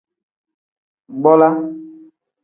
Bola.